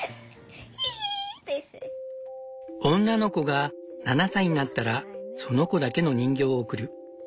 女の子が７歳になったらその子だけの人形を贈る。